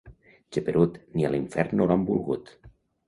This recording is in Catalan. Geperut, ni a l'infern no l'han volgut.